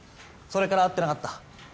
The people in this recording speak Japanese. それから会ってなかった。